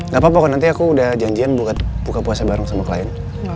gapapa nanti aku udah janjian buka puasa bareng sama klien